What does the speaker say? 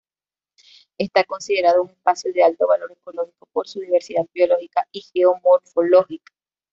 Está considerado un espacio de alto valor ecológico por su diversidad biológica y geomorfológica.